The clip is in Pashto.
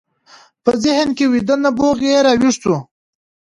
په ذهن کې ويده نبوغ يې را ويښ شو.